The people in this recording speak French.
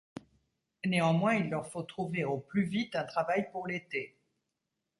Néanmoins, il leur faut trouver au plus vite un travail pour l'été.